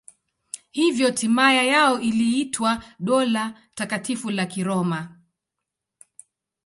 Hivyo himaya yao iliitwa Dola Takatifu la Kiroma.